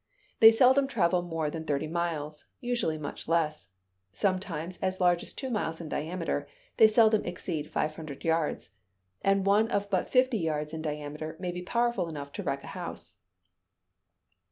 They seldom travel more than thirty miles; usually much less. Sometimes as large as two miles in diameter, they seldom exceed five hundred yards; and one of but fifty yards in diameter may be powerful enough to wreck a house.